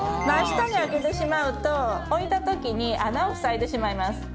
真下に開けてしまうと、置いたときに穴を塞いでしまいます。